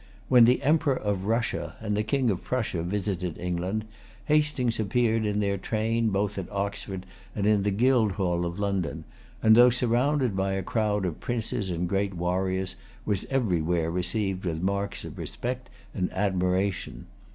[Pg 241] When the Emperor of Russia and the King of Prussia visited England, Hastings appeared in their train both at Oxford and in the Guildhall of London, and, though surrounded by a crowd of princes and great warriors, was everywhere received with marks of respect and admiration.